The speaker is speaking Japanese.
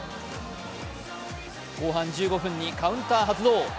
後半１５分にカウンター発動。